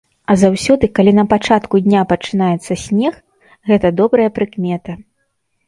А заўсёды калі на пачатку дня пачынаецца снег, гэта добрая прыкмета.